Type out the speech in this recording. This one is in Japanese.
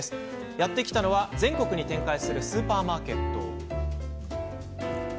やって来たのは、全国に展開するスーパーマーケット。